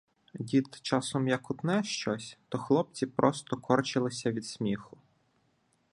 Дід часом як утне щось, то хлопці просто корчилися від сміху.